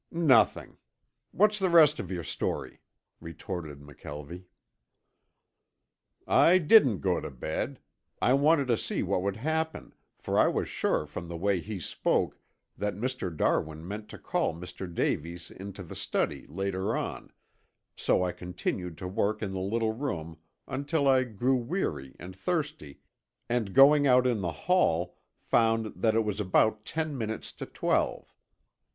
"Nothing. What's the rest of your story?" retorted McKelvie. "I didn't go to bed. I wanted to see what would happen, for I was sure from the way he spoke that Mr. Darwin meant to call Mr. Davies into the study later on, so I continued to work in the little room until I grew weary and thirsty, and going out in the hall found that it was about ten minutes to twelve.